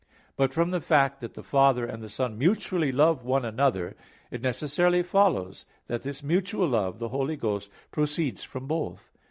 But from the fact that the Father and the Son mutually love one another, it necessarily follows that this mutual Love, the Holy Ghost, proceeds from both.